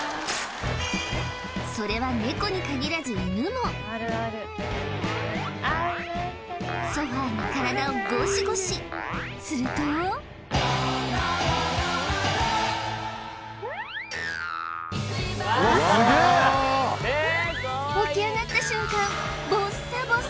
それはネコに限らず犬もソファーに体をゴシゴシすると起き上がった瞬間